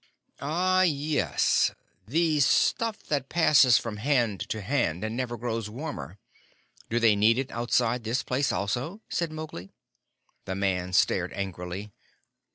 "Ah, yes. The stuff that passes from hand to hand and never grows warmer. Do they need it outside this place also?" said Mowgli. The man stared angrily.